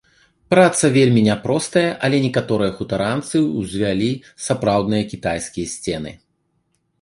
Праца вельмі няпростая, але некаторыя хутаранцы ўзвялі сапраўдныя кітайскія сцены.